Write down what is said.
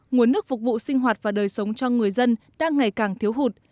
nguồn nước phục vụ sinh hoạt và đời sống cho người dân đang ngày càng thiếu hụt